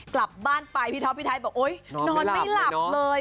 กลับบ้านไปพี่ท็อปพี่ไทยบอกโอ๊ยนอนไม่หลับเลย